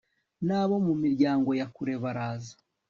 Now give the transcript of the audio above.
n abo mu miryango ya kure baraza